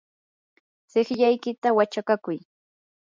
tsiqllaykita wachakakuy.